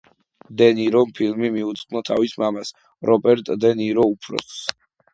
დე ნირომ ფილმი მიუძღვნა თავის მამას, რობერტ დე ნირო უფროსს.